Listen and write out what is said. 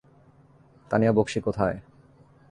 তানিয়া বক্সী কোথায়?